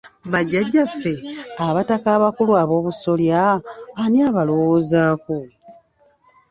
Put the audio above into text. Bajajjaffe abataka abakulu ab'obusolya ani abalowoozaako?